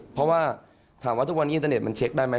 เพราะว่าถามว่าทุกวันนี้อินเทอร์เน็ตมันเช็คได้ไหม